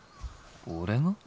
俺が？